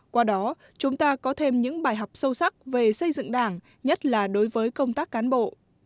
qua đó chúng ta có thêm những bài học sâu sắc về xây dựng đảng nhất là đối với công tác cán bộ